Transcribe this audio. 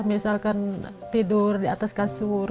misalkan tidur di atas kasur